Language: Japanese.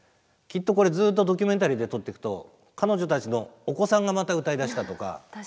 きっとこれずっとドキュメンタリーで撮ってくと彼女たちのお子さんがまた歌いだしたとか。